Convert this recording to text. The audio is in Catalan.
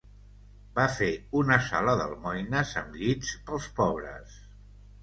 Va fer una sala d'almoines amb llits pels pobres.